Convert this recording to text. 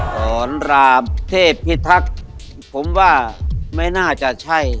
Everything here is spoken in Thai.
สอนรามเทพพิทักษ์ผมว่าไม่น่าจะใช่